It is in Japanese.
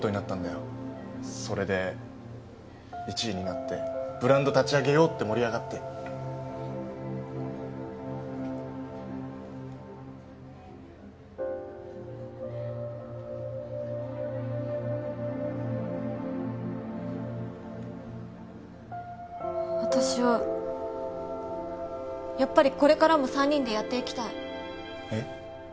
それで１位になってブランド立ち上げようって盛り上がって私はやっぱりこれからも３人でやっていきたいえっ？